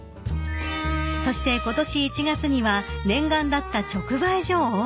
［そしてことし１月には念願だった直売所をオープン］